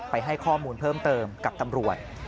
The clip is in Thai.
ให้ข้อมูลเพิ่มเติมกับตำรวจ